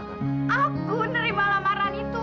aku menerima lamaran itu